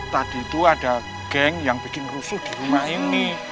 tadi itu ada geng yang bikin rusuh di rumah ini